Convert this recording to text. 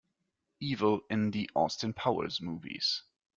Evil in the Austin Powers movies.